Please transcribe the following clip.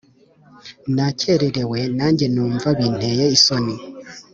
Nakererewe nanjye numva bineye isoni